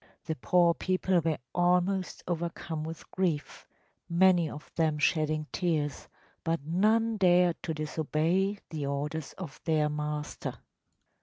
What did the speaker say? The poor people were almost overcome with grief, many of them shedding tears, but none dared to disobey the orders of their master.